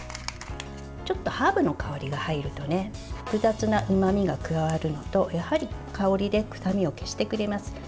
ちょっとハーブの香りが入ると複雑なうまみが加わるのとやはり香りで臭みを消してくれます。